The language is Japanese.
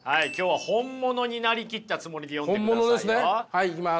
はいいきます。